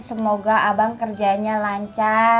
semoga abang kerjanya lancar